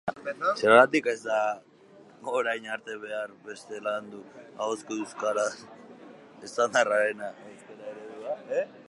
Zergatik ez da orain arte behar beste landu ahozko euskara estandarraren ahoskera-eredua?